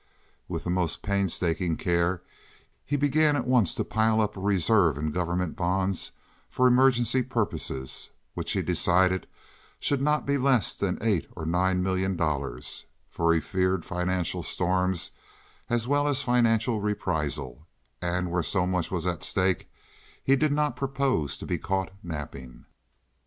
With the most painstaking care he began at once to pile up a reserve in government bonds for emergency purposes, which he decided should be not less than eight or nine million dollars, for he feared financial storms as well as financial reprisal, and where so much was at stake he did not propose to be caught napping.